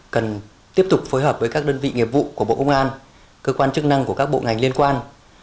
cần tiếp tục phối hợp với các đơn vị nghiệp vụ của bộ công an cơ quan chức năng của các bộ ngành liên quan